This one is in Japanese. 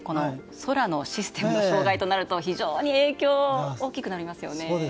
空のシステム障害となると非常に影響が大きくなりますよね。